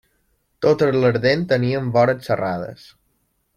Totes les dents tenien vores serrades.